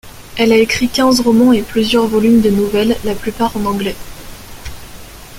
Elle a écrit quinze romans et plusieurs volumes de nouvelles, la plupart en anglais.